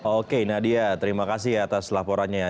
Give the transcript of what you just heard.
oke nadia terima kasih atas laporannya